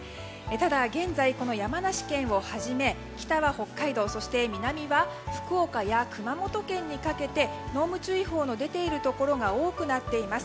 ただ、現在山梨県をはじめ、北は北海道そして南は福岡や熊本県にかけて濃霧注意報の出ているところが多くなっています。